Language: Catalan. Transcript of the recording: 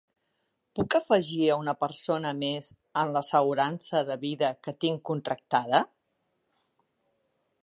Puc afegir a una persona més en l'assegurança de vida que tinc contractada?